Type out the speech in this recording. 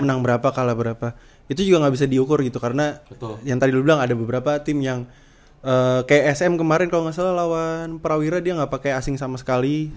menang berapa kalah berapa itu juga nggak bisa diukur gitu karena yang tadi lo bilang ada beberapa tim yang kayak sm kemarin kalau nggak salah lawan prawira dia nggak pakai asing sama sekali